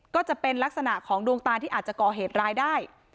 ก็จะเป็นลักษณะของดวงตาที่อาจจะก่อเหตุร้ายได้